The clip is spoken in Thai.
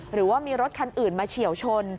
หรือว่ามีรถคันอื่นมาเฉียวชน